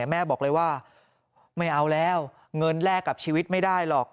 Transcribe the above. แม่บอกเลยว่าไม่เอาแล้วเงินแลกกับชีวิตไม่ได้หรอก